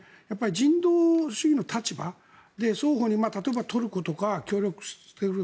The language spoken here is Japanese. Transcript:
人道主義の立場で双方に例えばトルコとか協力してくれる。